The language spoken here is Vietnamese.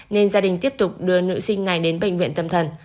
nên gia đình tiếp tục đưa nữ sinh này đến bệnh viện tâm thần